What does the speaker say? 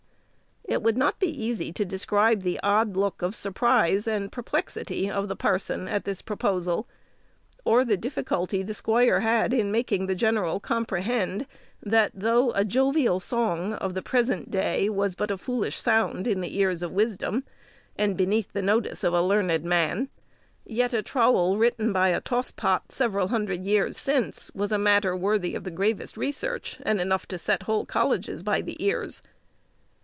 It would not be easy to describe the odd look of surprise and perplexity of the parson at this proposal; or the difficulty the squire had in making the general comprehend, that though a jovial song of the present day was but a foolish sound in the ears of wisdom, and beneath the notice of a learned man, yet a trowl written by a tosspot several hundred years since was a matter worthy of the gravest research, and enough to set whole colleges by the ears.